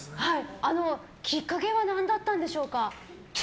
きっかけは何だったんでしょうか？